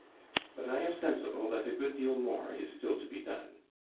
But I am sensible that a good deal more is still to be done.